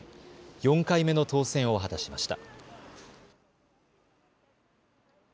４回目の当選を果たしました。